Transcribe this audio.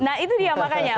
nah itu dia makanya